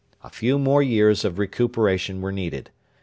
A few more years of recuperation were needed.